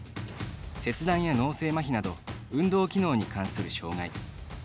切断や脳性まひなど運動機能に関する障がい。